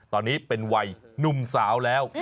ตอนนี้เป็นวัยหนุ่มสาวแล้ว